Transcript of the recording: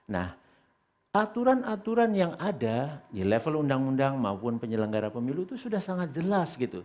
nah aturan aturan yang ada di level undang undang maupun penyelenggara pemilu itu sudah sangat jelas gitu